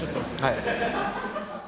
はい。